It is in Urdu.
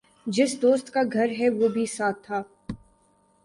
جس دوست کا گھر ہےوہ بھی ساتھ تھا ۔